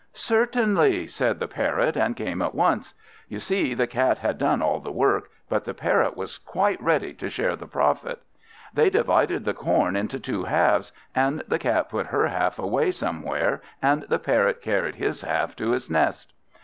"Certainly," said the Parrot, and came at once. You see the Cat had done all the work, but the Parrot was quite ready to share the profit. They divided the corn into two halves, and the Cat put her half away somewhere, and the Parrot carried his half to his nest.